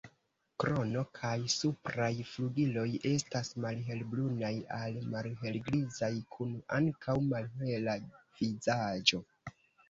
Krono kaj supraj flugiloj estas malhelbrunaj al malhelgrizaj, kun ankaŭ malhela vizaĝo.